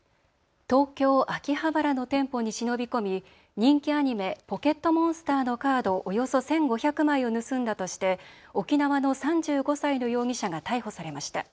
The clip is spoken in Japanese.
東京秋葉原の店舗に忍び込み人気アニメ、ポケットモンスターのカードおよそ１５００枚を盗んだとして沖縄の３５歳の容疑者が逮捕されました。